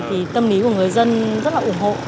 thì tâm lý của người dân rất là ủng hộ